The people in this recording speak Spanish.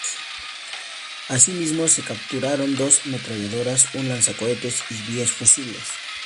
Asimismo, se capturaron dos ametralladoras, un lanzacohetes y diez fusiles.